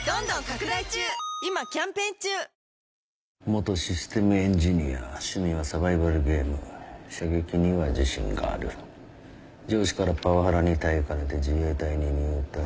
「元システムエンジニア趣味はサバイバルゲーム」「射撃には自信がある」「上司からパワハラに耐えかねて自衛隊に入隊」